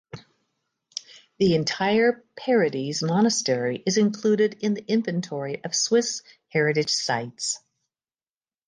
The entire "Paradies" monastery is included in the Inventory of Swiss Heritage Sites.